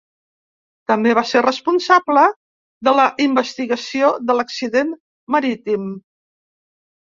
També va ser responsable de la investigació de l'accident marítim.